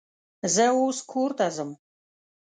زه اوس کور ته ځم